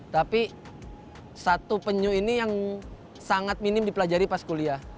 tapi satu penyu ini yang sangat minim dipelajari pas kuliah